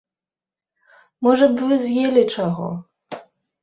Можа б, вы з'елі чаго?